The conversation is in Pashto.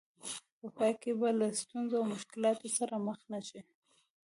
په پای کې به له ستونزو او مشکلاتو سره مخ نه شئ.